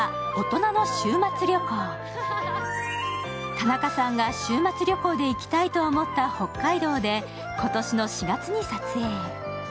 田中さんが週末旅行で行きたいと思った北海道で、今年の４月に撮影。